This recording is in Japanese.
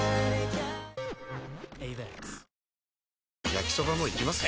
焼きソバもいきます？